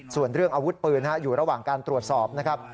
ส่วนเรื่องอาวุธปืนอยู่ระหว่างการตรวจสอบนะครับ